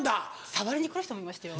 触りに来る人もいましたよ。